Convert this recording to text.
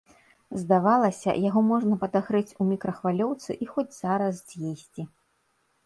Здавалася, яго можна падагрэць у мікрахвалёўцы і хоць зараз з'есці.